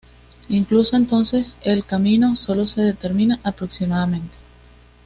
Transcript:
Incluso entonces, el camino sólo se determina aproximadamente.